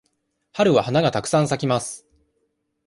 春は花がたくさん咲きます。